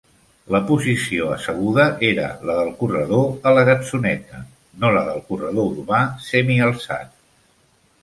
La posició asseguda era la del corredor a la gatzoneta, no la del corredor urbà semialçat.